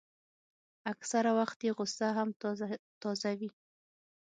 اکثره وخت یې غوښه هم تازه وي.